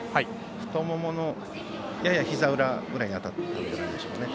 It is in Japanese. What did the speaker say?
太もものややひざ裏ぐらいに当たったでしょうかね。